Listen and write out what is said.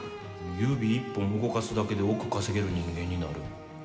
指一本で動かすだけで億稼げる人間になる。